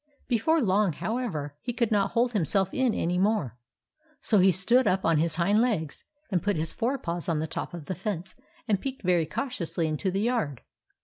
Before long, however, he could not hold himself in any more ; so he stood up on his hind legs and put his fore paws on the top of the fence and peeked very cautiously into the yard.